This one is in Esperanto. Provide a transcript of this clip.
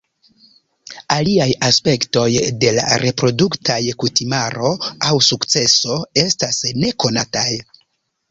Aliaj aspektoj de la reproduktaj kutimaro aŭ sukceso estas nekonataj.